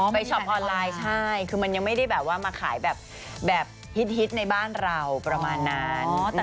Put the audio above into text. ช็อปออนไลน์ใช่คือมันยังไม่ได้แบบว่ามาขายแบบฮิตในบ้านเราประมาณนั้น